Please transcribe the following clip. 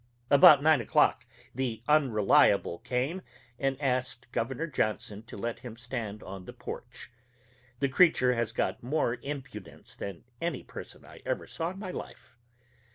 About nine o'clock the Unreliable came and asked Gov. Johnson to let him stand on the porch. The creature has got more impudence than any person I ever saw in my life.